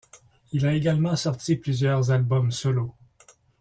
Il a également sorti plusieurs albums solo.